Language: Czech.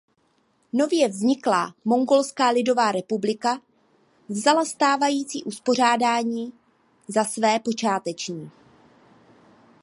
Nově vzniklá Mongolská lidová republika vzala stávající uspořádání za své počáteční.